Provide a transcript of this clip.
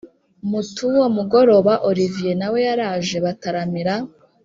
mutuwo mugoroba olivier nawe yaraje bataramira